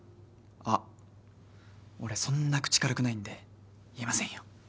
あっ俺そんな口軽くないんで言えませんよ。